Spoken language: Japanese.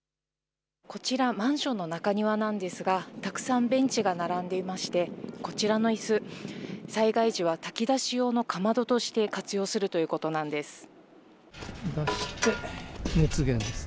こちら、マンションの中庭なんですが、たくさんベンチが並んでいまして、こちらのいす、災害時は炊き出し用のかまどとして、活用するということなんです。